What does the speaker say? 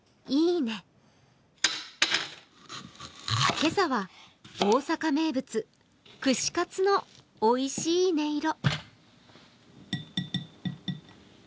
今朝は大阪名物、串カツのおいしい音色。